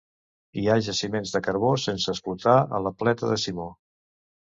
Hi ha jaciments de carbó sense explotar a la pleta de Simó.